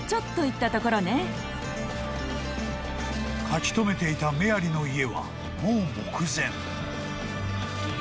［書き留めていたメアリの家はもう目前］